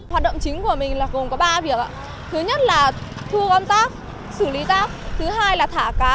hoạt động chính của mình gồm có ba việc thứ nhất là thu gom tác xử lý tác thứ hai là thả cá